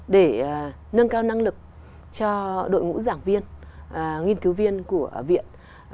để nâng cao năng lực cho đội ngũ giảng viên nghiên cứu viên của viện